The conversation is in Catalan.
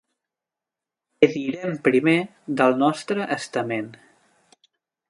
E direm primer del nostre estament.